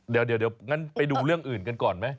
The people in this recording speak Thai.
เดี๋ยวงั้นไปดูเรื่องอื่นกันก่อนไหม